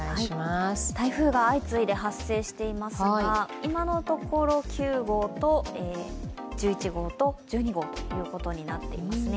台風が相次いで発生していますが今のところ９号と１１号と１２号ということになっていますね。